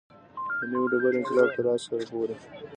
د نوې ډبرې انقلاب تر عصر پورې.